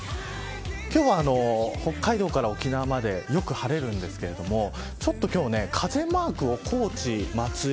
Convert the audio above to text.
今日は北海道から沖縄までよく晴れるんですけれどもちょっと今日、風マークを高知、松江、